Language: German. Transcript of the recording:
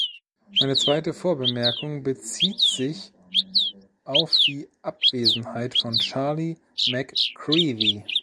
Meine zweite Vorbemerkung bezieht sich auf die Abwesenheit von Charlie McCreevy.